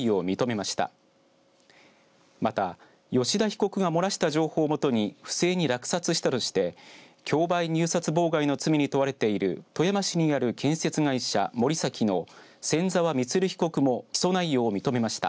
また、吉田被告が漏らした情報をもとに不正に落札したとして競売入札妨害の罪に問われている富山市にある建設会社、森崎の千澤満被告も起訴内容を認めました。